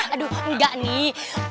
aduh enggak nih